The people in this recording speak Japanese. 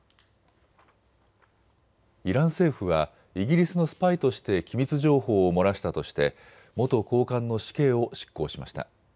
イラン政府はイギリスのスパイとして機密情報を漏らしたとして元高官の死刑を執行しました。